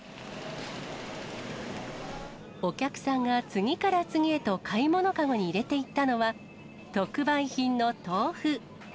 お客さんが次から次へと買い物籠に入れていったのは、特売品の豆腐。